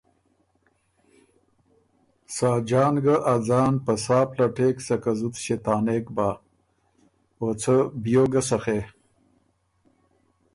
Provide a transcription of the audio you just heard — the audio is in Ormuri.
ساجان ګۀ ا ځان په سا پلټېک سکه زُت ݭېطانېک بۀ او څه بیوک ګۀ سخے۔